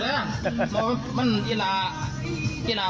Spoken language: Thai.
พ่อมีก้มหัวได้ลูกแล้ว